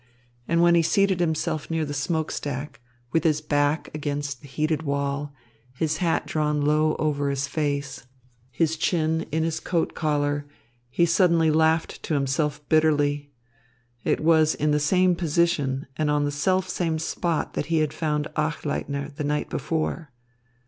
And when he seated himself near the smoke stack, with his back against the heated wall, his hat drawn low over his face, his chin in his coat collar, he suddenly laughed to himself bitterly. It was in the same position and on the selfsame spot that he had found Achleitner the night before.